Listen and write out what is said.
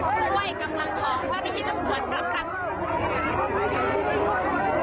เฮียดนะคะอ๋อดีดีค่ะน้ำลังว่า